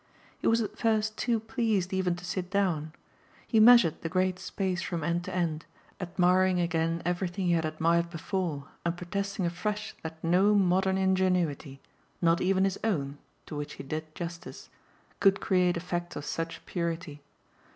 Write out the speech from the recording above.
He was at first too pleased even to sit down; he measured the great space from end to end, admiring again everything he had admired before and protesting afresh that no modern ingenuity not even his own, to which he did justice could create effects of such purity.